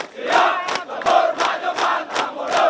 siap sempur maju pantang mundur